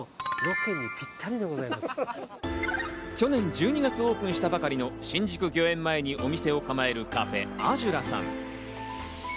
去年１２月オープンしたばかりの、新宿御苑前に店を構えるアジュラさん。